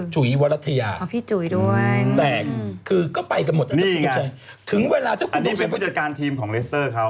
จุ๋ยวรรถยาแต่คือก็ไปกันหมดจ๊ะเจ้าคุณทรงชัยถึงเวลาเจ้าคุณทรงชัยอันนี้เป็นผู้จัดการทีมของเรสเตอร์เขา